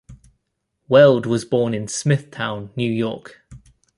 Weld was born in Smithtown, New York.